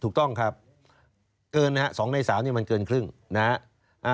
ถูกต้องครับเกินนะฮะ๒ใน๓นี่มันเกินครึ่งนะฮะ